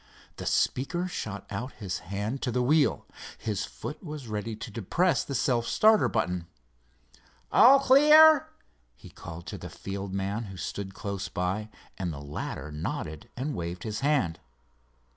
The speaker shot out his hand to the wheel. His foot was ready to depress the self starter button. "All clear?" he called to the field man who stood close by, and the latter nodded and waved his hand.